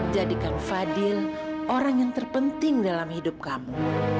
jadikan fadil orang yang terpenting dalam hidup kamu